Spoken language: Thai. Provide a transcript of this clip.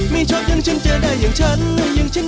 ไม่ชอบอย่างฉันจะได้อย่างฉัน